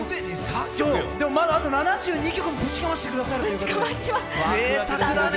まだあと７２曲もぶちかましてくださるということで。